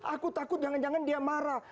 aku takut jangan jangan dia marah